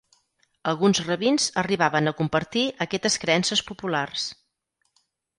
Alguns rabins arribaven a compartir aquestes creences populars.